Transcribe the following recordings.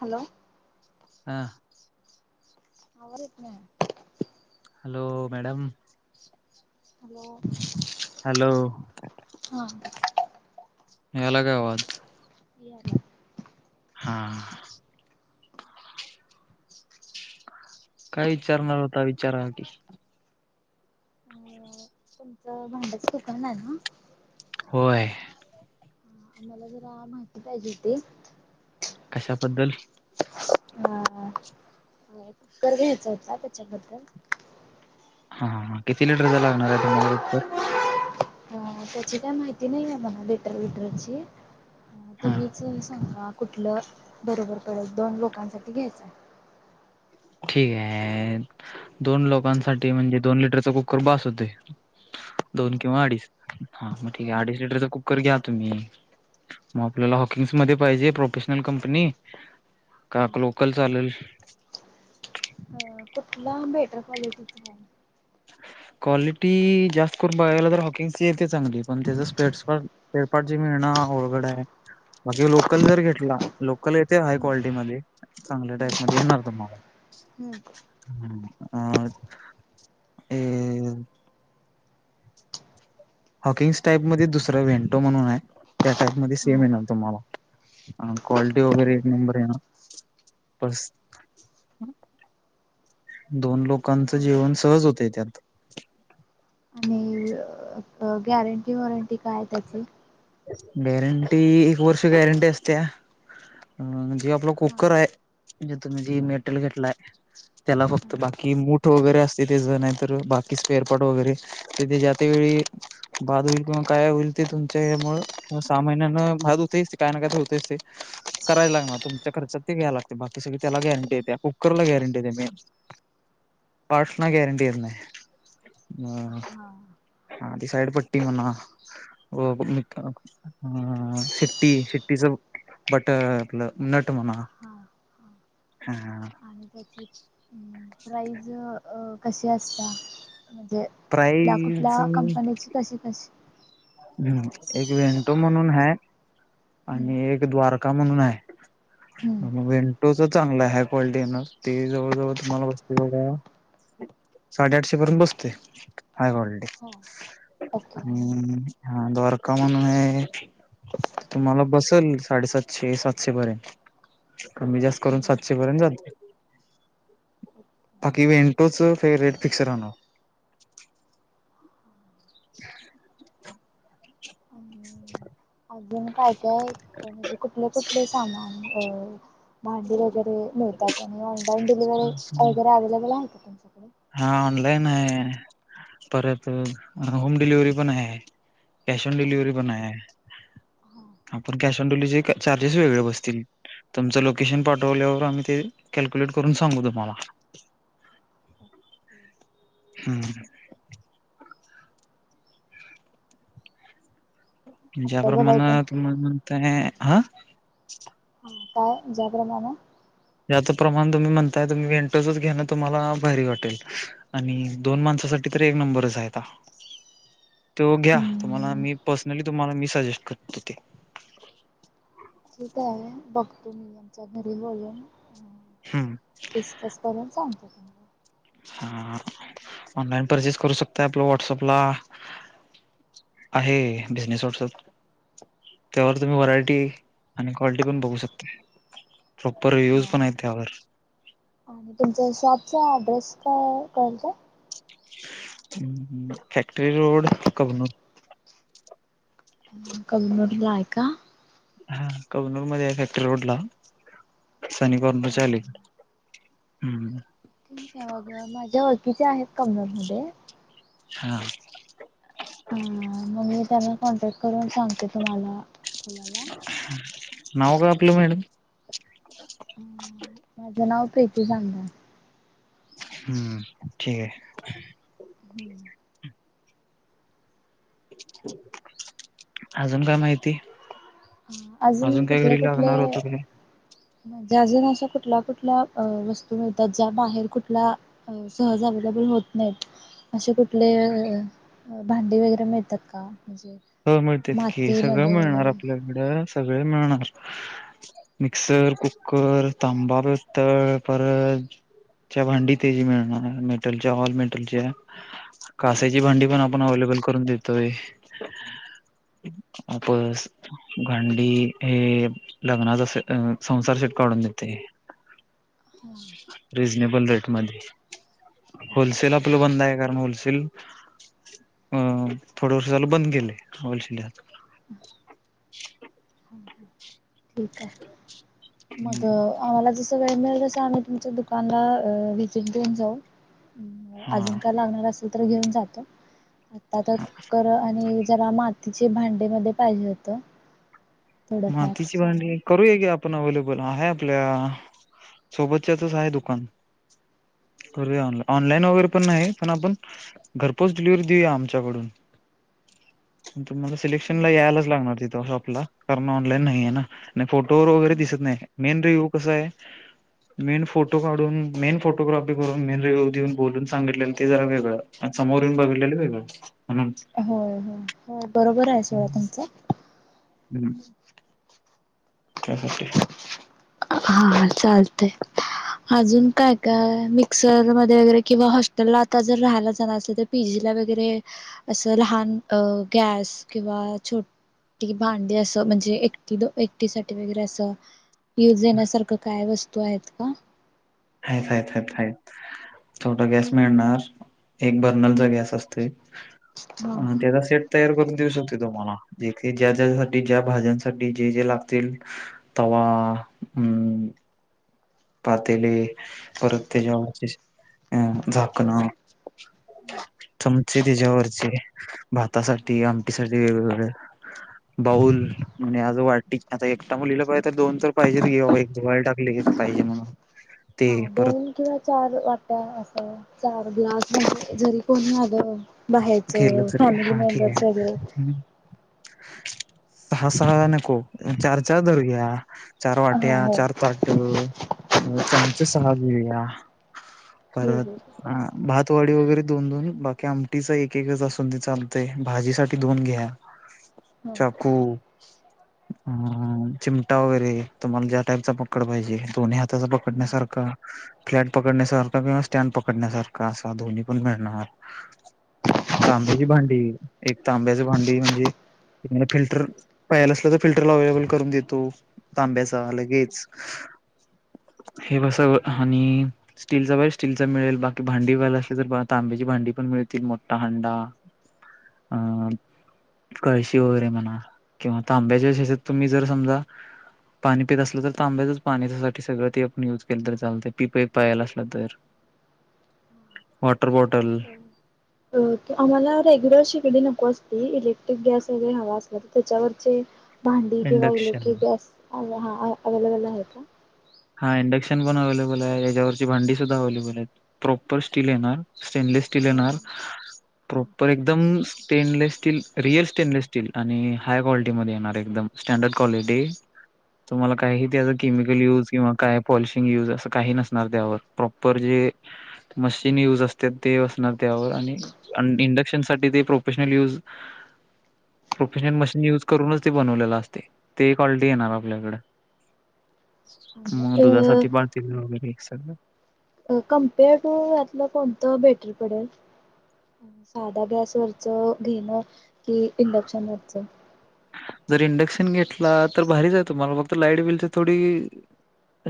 Hello? हा.. [unintelligible] hello, madam. Hello. Hello, हा आला का आवाज- [unintelligible] हा! काय विचारणार होता. विचारा- [unintelligible] होय. मला जरा, माहिती पाहिजे होती. कशाबद्दल? [unintelligible] किती लिटरचा लागणारे, तुम्हाला कुकर. हा, त्याची काय माहिती नाही आहे. मला लिटर- बिटरची. हा [unintelligible] कुठलं बरोबर, परत दोन लोकांसाठी घ्यायचंय- ठीक आहे, दोन लोकांसाठी म्हणजे दोन लिटरचा कुकर बस होते. दोन हां किंवा अडीच- हा मग ठीक हां आहे. अडीच लिटरचा कुकर घ्या तुम्ही, मग आपल्याला हॉकिंग्स मध्ये पाहिजे, प्रोफेशनल कंपनी का हां लोकल चालेल. कुठला बेटर क्वालिटीचा हाय, क्वालिटी जास्त करून बघायलाच गेलं तर, हाॅकींगची! चांगली पण त्याच [unintelligible] स्पेड स्पट स्पेरपार्ट जे मिळण आवघड आहे. बाकी लोकल जर घेतला, लोकल येथे हाय हम्म क्वालिटी मध्ये चांगल्या टाईप हम्म मध्ये येणार तुम्हाला! हम्म [unintelligible] हा [unintelligible] हॉकिंग्स टाईप मध्ये, दुसर व्हेंटो म्हणून आहे. त्या टाईप मध्ये सेम येणार हम्म तुम्हाला, क्वालिटी वगैरे एक नंबर येणार बस दोन लोकांचं जेवन हा सहज होतय त्यात. अ गॅरंटी वॉरंटी काय हाय त्याची गॅरंटी एक वर्ष गॅरंटी असते अ जे आपला हा. कुकर आहे म्हणे तुम्ही जे हा मेटल घेतलाय त्याला फक्त हा बाकी मूठ वगैरे असते ते जे नाही तर बाकी स्पेअरपॉट वगैरे तर ज्या त्या वेळी बाद होईल किंवा काय होईल ते तुम सहा महिन्यान बाद होतच ते काय ना काय ते होतेच ते करायला लागणार तुमच्या खर्चात ते घ्यायला लागते बाकी सगळे त्याला गॅरंटी येत्या कुकर ला गॅरंटी येत्या मेन पार्ट ना गॅरंटी येत नाही हा ती साईड पट्टी म्ह व शिट्टी शिट्टीच बटण आपलं नट म्हणा हा हा. ह आणि त्याची प्राईज कशी अ असत्या म्हणजे कुठल्या प्राईज कुठल्या कंपनीची कशी कशी हम् एक वेंटो म्हणून हाय हम्म आणि एक द्वारका म्हणून हाय हम्म. मग वेंटोच चांगलं हाय क्वालिटी ना ते जवळ जवळ तुम्हाला बसते बघा साडेआठशे पर्यंत बसते हाय क्वालिटी हो. ओके आणि अ हा द्वारका म्हणून हे तुम्हाला बसेल साडेसातशे सातशे पर्यंत कमी जास्त करून हम्म, सातशे पर्यंत जाईल ओके. बाकीे वेंटोच फेवरेट पिक्चर ना ख्छंछ आणि श्च्छ अजून काय काय क म्हणजे कुठले कुठले सामान हो भांडी वगैरे मिळते चा नाही हो होम डिलेव्हरी राहणार अवेलेबल आहे का तुमकडे हा ऑनलाईन आहे परत होम डिलव्हरी पण आहे कॅश ऑन हा. डिलिव्हरी पण आहे हा आपण कॅश ऑन डिलेव्हरी चार्जेस वेगळे बसतील तुमचं लोकेशन पाठवल्यावर आम्ही ते कॅल्क्युलेट करून सांगू तुम्हाला आता हम् ज्या काय बोलायचं प्रमाणं तुम्हाला ते नव्हे हा हा काय जाग्रमा ना त्याच प्रमाणं तुम्ही म्हणताय तुम्ही वेंटोचंच घेणार तुम्हाला भारी वाटेल आणि दोन माणसासाठी तर एक नंबरच आहे तो घ्या तम्हाला हम्म, मी पर्सनली तुम्हाला मी सजेस करतो ठीक आहे बघतो मी यांच्या घरी जाऊन हम्म. डिस्कस करून सांगतो तुम्हाला हा ऑनलाईन परचेस करू शकता आपलं व्हॉट्सॲपला... आहे बिझनेस वॉट्सॲप त्यावर तुम्ही व्हरायटी आणि क्वालिटी पण बघू शकता प्रॉपर हा रिव्ह्यूज पण ह आहेत त्यावर आहे आणि तुमच्या शॉपचा ऍड्रेस हो कळल का फॅक्टरी रोड कबनूर कबनूरला हाय का हा कबनूर मध्ये फॅक्टरी रोडला सनी कॉर्नर च्या हां अलीकड हं-हं काय मग मजा हो तिचे आहेत कमनर मध्ये. हा आं मम्मी त्यांनी कॉन्टेक करून सांगते तुम्हाला कुलाला नाव काय आपलं मॅडम? हं माझं नाव प्रीतीशांग धान हम्म ठीके. हम्म अजून काय माहिती? आ अजून काय कुठले घरी कुठले लागणार होतं काय म्ह ज्या अजून अशा कुठल्या कुठल्या अं वस्तू मिळतात ज्या बाहेर कुठला सहज अवेलेबल होत नाहीत असे कुठले अं भांडी वगैरे मिळतात का? म्हणजे हो मिळतेत कि सगळं मातीमध्ये मिळणार वगैरे आपल्याकडं सगळे मिळणार मिक्सर, कुक्कर तांबा, पित्तळ परतच्या भांडी तेची मिळणार मेटलच्या ऑल मेटलच्या कास्याची भांडी पण आपण अवलेबल करून देतोय. पस भांडी हे लग्नाचा से अं संसार सेट काढून देते रिजनेबल रेट मध्ये होलसेल आपलं बंद आहे कारण होलसेल अं थोडं झालं बंद केले दृश्यात. ठीक आहे. मग आम्हाला जस वेळ मिळेल जस आम्ही तुमच्या दुकाना अं व्हीजिट देऊन जाऊ. अं हा अजून काय लागणार असे तर घेऊन जातो. ताता कुकर आणि जरा मात तिचे भांडे मध्ये पाहिजे होतं. थोडंफार सामान आणि करूये की आप पण अवलेबल आहे आपल्या सोबतच्याचच आहे दुकान करूया ऑन- ऑनलाईन वगैरे पण नाही पण आपण घरपोच डिलिव्हरी देऊया आमच्याकडून. मला सिलेक्शन यायलाच लागणार ति तो झोपला कारण ऑनलाईन नाही आहे ना. फोटोवर वगैरे दिसत नाही मेन रे यो कस आहे मेन फोटो काढून, मेन फोटोग्राफी करून, मेन रीव्ह्यु देऊन बोलून सांगितलेलं ते जरा वेगळं आणि समोर येऊन बघितलेलं वेगळं. म्हणून हो - हो - हो बरोब बरं आहे सोळा तुमचं? हम् त्यासाठी हा चालतय अजून काय काय का मिक्सर मध्ये वगरे किंवा हॉस्टेल ला आता जर राहायला जाणार असे तर पीजी ला वगैरे असं लहान गॅस किंवा छोटी भांडी असं म्हणजे एकटी एकटी साठी वगैरे अस युज येण्यासारखं काय वस्त तो आहेत का आहेतच आहेत आहेत आहेत छोटा गॅस मिळणार एक बर्नलचा गॅस असतोय हा अ त्याचा सेट तयार करून देऊ शकते तुम्हाला जे ज्या ज्यासाठी ज्या भाज्यांसाठी जे जे लागतील तवा अ पातेले परत त्याच्यावरचे अ झाकणं हम् चमचे त्याच्यावरचे भातासाठीठ आमटी साठी वेगवेगळे बाऊल म्हणजे आज वाटी आता एकटा मुलीला पाहिजे तर दोन तर पाहिजे की आता धुवायला टाकले एक पाहिजे म्हणून ते हा परत दोन किंवा चार वाट्या अस चार ग्लास जरी कोणी आलं. केलं बाहेरच तरी फॅमिली हा ठीक मेंबर्स वगैरे आहे सहा, सहा नको चार, चार धरूया. चार हा वाट्या, हो चार ताट चम च सहा घेऊया हो परत हो भा वाडी वगैरे दोन दोन बाकी आमटीचा एक. असून दे चालतय भाजी साठी दोन घ्या. चाकू अं चिमटा वगैरे तुम्हाला ज्या टाईपचा पकड पाहिजे, दोन्ही हाताचा पकडण्यासारखा फ्लॅट पकडण्यासारखा किंवा स्टँड पकडण्यासारखा असा दोन्ही पण मिळणार. तांब्याची भांडी एक तांब्याची भांडी म्हणजे फिल्टर पाहिजे असलं तर फिल्टरला अवेलेबल मिळेल करून देतो तांब्याचा लगेच हे बस आणि स्टीलचा बा स्टीलचा मिळेल बाकी भांडी व्हायला असली तर तांब्याची भांडी पण मिळतील मो हंडा अ कळशी वगैरे म्हणा किंवा तांब्याच्या तुम्ही जर समजा पाणी पेत असल तर तांब्याचच पाण्या सगळं ते आपण युज केलं तर चालतय पिप पायजेल असलं तर. वॉटर बॉटल हा आम्हाला रेग्युलर शिगडी नको असती इलेक्ट्रिक गॅस वगैरे हवा असला तर त्याच्यावरचे भांडी किंवा इंडक्शन इलेक्ट्रिक गॅस अवेलेबल आहे का? हा इंडक्शन पण अवेलेबलय, याच्यावरची भांडी सुद्धा अवेलेबलय. प्रॉपर स्टील येणार स्टेनलेस स्टील येणार हा प्रॉपर एकदम stainless steel real stainless steel आणि हाय क्वालिटीमध्ये येणार एकदम स्टँडर्ड क्वालिटी तुम्हाला काही त्याचा केमिकल युज किंवा काय पॉलिशिंग यूज असं काही नसणार त्यावर प्रॉपर जे मशीन युज असते ते असणार त्यावर आणि इंडक्शन साठी ते professional use professional machine use करूनच ते बनवलेलं असतय ते क्वालिटी येणार आपल्याकड. मग दुधासाठी पातील व वेग सग कम्पेअर टू यातलं कोणतं बेटर पडेल? साधा गॅसवरचं घेणं कि इंडक्शनवरचं? जर इंडक्शन घेतला तर भारीचय तुम्हाला फक्त लाईट बिलची थोडी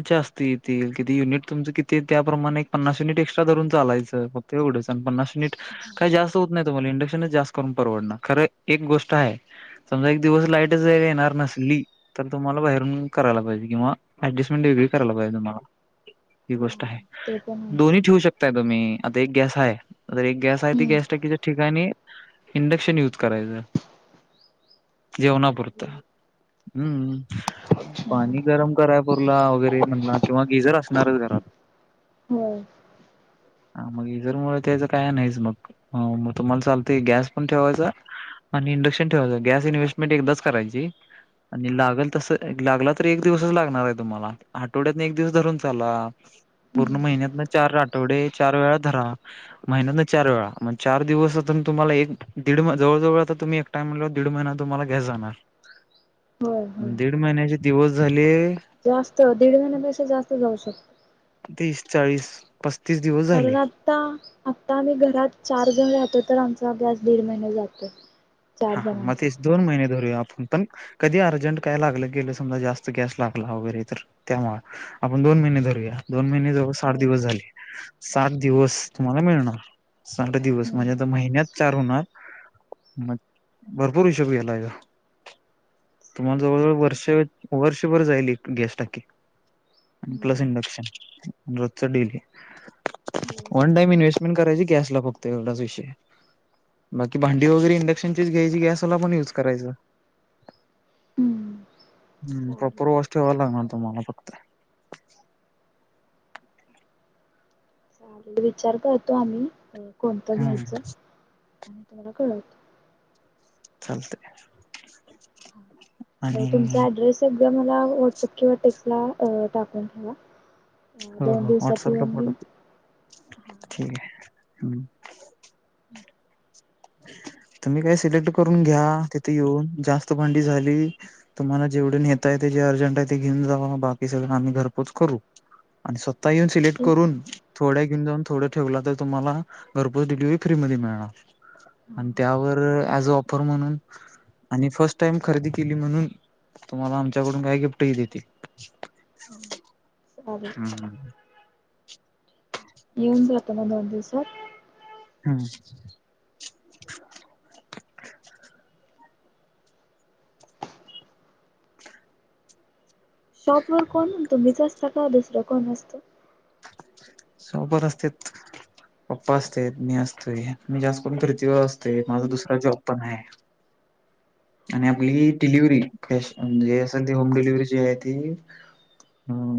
जास्त येतील किती? युनिट तुमच किती त्याप्रमाणे एक पन्नास युनिट एक्स्ट्रा धरून चालायचं फक्त एवढंच आणि पन्नास युनिट काही जास्त होत नाही तुम्हाला इंडक्शनच जास्त करून परवडणार. खरं एक गोष्ट आहे समजा एक दिवस लाईटच येणार नसली तर तुम्हाला बाहेरून करायला पाहिजे किंवा ऍडजस्टमेंट वेगळी करायला पाहिजे तुम्हाला. ही गोष्ट ते पण आहेच दोन्ही ठेवू शकताय तुम्ही. आता एक गॅस हाय तर एक गॅसय तै हम्म गॅस टाकीच्या ठिकाणी इंडक्शन युज करायचं. जेवणापुरत चालेल हम्म, पाणी गरम कराय पुरला वगैरे म्हणला किंवा गिजर असणारच घरात. होय. हा म गिझर त्याचं काय नाहीच मग हा म तुम्हाला चालतय गॅस पण ठेवायचा आणि इंडक्शन ठेवायच. गॅस इन्व्हेस्टमेंट एकदाच करायची आणि लागलं तसं लागला तर एक दिवसच लागणार आहे तुम्हाला. आठवड्यात ना एक दिवस धरून चाला पूर्ण महिन्यात ना चार आठवडे चार वेळा धरा, महिन्यांतन चार वेळा मग चार दिवस तुम्हाला एक दीड जवळ जवळ तुम्ही एकटं आहे म्हटल्यावर दीड महिना तुम्हाला गॅस जाणार होय होय दीड महिन्याची दिवस झाले जास्त दीड महिन्यापेक्षा जास्त जाऊ शक चाळीस पस कारण आत्ता आत्ता आम्ही घरात चार जण राहतो तर आमचा गॅस दीड महिना जातोय. हा मग तेचं दोन महिने धरूया आपण पण कधी अर्जंट काय लागलं गेले समजा जास्त गॅस लागला वगैरे तर त्यामुळं आपण दोन महिने धरूया. दोन महिने जवळ हो साठ हो. दिवस झाले सात हा दिवस तुम्हाला मिळणार. [unintelligible] साठ दिवस म्हणजे हम्म. आता महिन्यात चार होणार म भरपूर हिशोब गेलाय हो तुम्हाला जवळ चालेल जवळ वर्ष ठीक आहे. वर्ष तर वर जाईल गॅस टाॅकी प्लस हम्म. इंडक्शन रोजचा डेली हो. वन टाईम इनवेस्ट मेट करायची गॅसला फक्त येवढाचं विषय आहे बाकी भांडी वगैरे इनकम इनडेक्षण ची घ्यायची गॅसला पण युज करायचं‍ हम्म हम्म प्रॉपर चालेल. वाॅश ठेवाय लागणार तुम्हाला फक्त चालेल विचार करतो आम्ही कोणतं हम्म घ्यायचं आणि तूम्हाला कळवतो चालतंय आणि तुमचा ऍड्रेस स उ्या मला व्हॉट्सअप किंवा टेक्स्ट ला टाकून ठेवा अ, हो दोन हो दिवसात व्हॉट्सअपला येऊन मी पाठवतो की हा ठीक आहे. हम् तुम्ही काय सिलेक्ट करून घ्या तिथे येऊन जास्त भांडी झाली तुम्हाला जेवढे नेतायतयं जे अर्जंट आहे ते घेऊन जा बाकी सगळं आम्ही घरपोच करू आणि स्वतः आता येऊन हा सिलेक्ट ठीक करून थोड्या घेऊन जाऊन थोडं ठेवला तर तुम्हाला घरपोच डिलिव्हरी फ्री मध्ये मिळणार हा. आणि त्यावर ऑफर म्हणून आणि फर्स्ट टाइम खरेदी केली म्हणून तुम्हाला आमच्याकडून काय गिफ्टही देतील चालेल हम्म [inaudible] येऊन जात ना दोन दिवसात हम् शॉप वर कोण तुम्हीच असता [inaudible] दुसरं कोण नसतं सोबत असत्यात पप्पा असत्यात मी असतोय, मी जास्त करून फिरतीवर असतोय माझा दुसरा जॉब पण आहे आणि हां. आपली डिलिव्हरी कॅश म्हणजे सध्या होम डिलिवी जी आहे ती अ